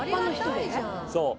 そう。